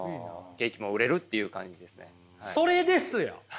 それですよ。